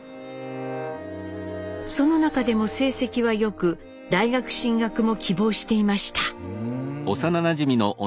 その中でも成績は良く大学進学も希望していました。